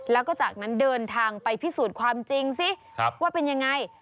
แล้วก็จากนั้นเดินทางไปพิสูจน์ความจริงซิว่าเป็นยังไง